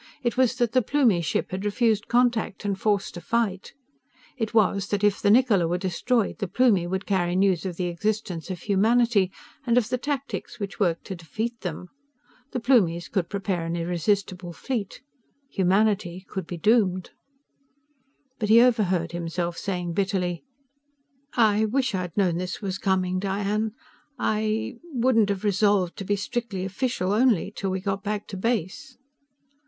It was that the Plumie ship had refused contact and forced a fight. It was that if the Niccola were destroyed the Plumie would carry news of the existence of humanity and of the tactics which worked to defeat them. The Plumies could prepare an irresistible fleet. Humanity could be doomed. But he overheard himself saying bitterly: "I wish I'd known this was coming, Diane. I ... wouldn't have resolved to be strictly official, only, until we got back to base."